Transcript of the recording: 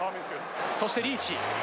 そしてリーチ。